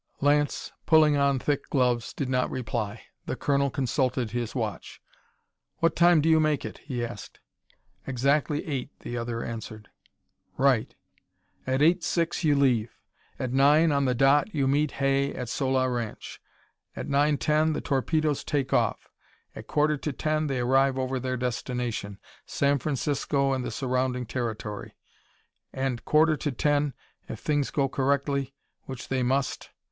Lance, pulling on thick gloves, did not reply. The colonel consulted his watch. "What time do you make it?" he asked. "Exactly eight," the other answered. "Right. At eight six, you leave. At nine, on the dot, you meet Hay at Sola Ranch. At nine ten, the torpedoes take off. At quarter to ten, they arrive over their destination San Francisco and the surrounding territory. And quarter to ten, if things go correctly which they must!